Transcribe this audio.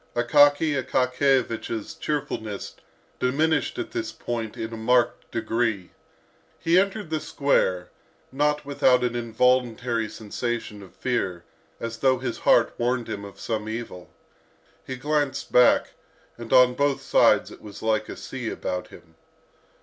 Akaky Akakiyevich's cheerfulness diminished at this point in a marked degree. He entered the square, not without an involuntary sensation of fear, as though his heart warned him of some evil. He glanced back, and on both sides it was like a sea about him.